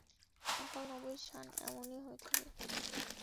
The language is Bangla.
সকল নবীর শান এমনই হয়ে থাকে।